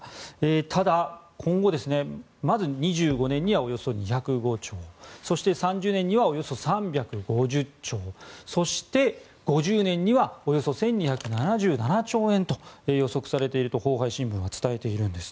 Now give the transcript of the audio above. ただ、今後まず２５年にはおよそ２０５兆そして、３０年にはおよそ３５０兆そして、５０年にはおよそ１２７７兆円と予測されているとホウハイ新聞は伝えているんです。